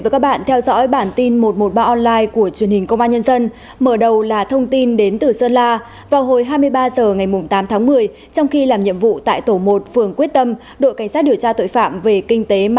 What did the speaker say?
cảm ơn các bạn đã theo dõi